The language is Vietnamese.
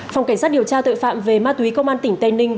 phòng cảnh sát điều tra tội phạm về ma túy công an tỉnh tây ninh